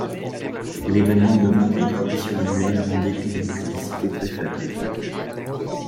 L’événement devint une tradition annuelle en dépit d’une publicité très faible.